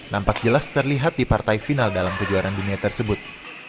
nampak jelas terlihat di partai final dalam kejuaraan dunia tersebut